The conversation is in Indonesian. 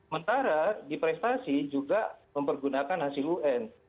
mentara di prestasi juga mempergunakan hasil un